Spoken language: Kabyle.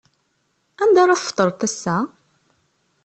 Anda ara tfeḍreḍ assa?